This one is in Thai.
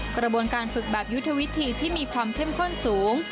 กระบวนการฝึกแบบยุทธวิธีที่มีความเข้มข้นสูง